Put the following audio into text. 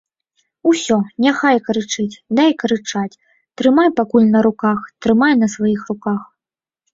Усё, няхай крычыць, дай крычаць, трымай пакуль на руках, трымай на сваіх руках.